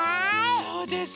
そうです。